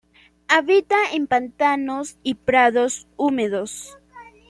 Habita en pantanos y prados húmedos.